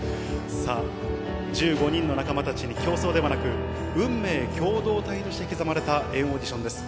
さあ、１５人の仲間たちに、競争ではなく、運命共同体として刻まれた＆ＡＵＤＩＴＩＯＮです。